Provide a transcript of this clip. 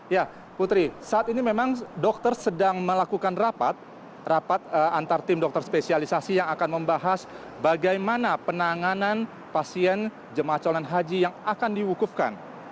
ya putri saat ini memang dokter sedang melakukan rapat rapat antar tim dokter spesialisasi yang akan membahas bagaimana penanganan pasien jemaah calon haji yang akan diwukufkan